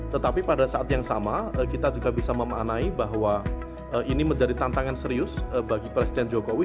tetapi pada saat yang sama kita juga bisa memanai bahwa ini menjadi tantangan serius bagi presiden jokowi